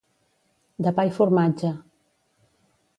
De pa i formatge.